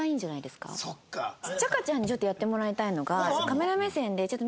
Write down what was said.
ちゃかちゃんにちょっとやってもらいたいのが。